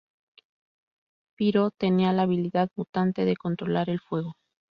Pyro tenía la habilidad mutante de controlar el fuego.